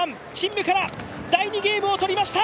夢から第２ゲームを取りました。